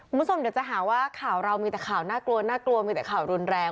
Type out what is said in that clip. คุณผู้ชมเดี๋ยวจะหาว่าข่าวเรามีแต่ข่าวน่ากลัวน่ากลัวมีแต่ข่าวรุนแรง